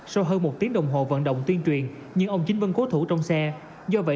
sau hơn một tiếng đồng hồ vận động tuyên truyền nhưng ông chính vẫn cố thủ trong xe do vậy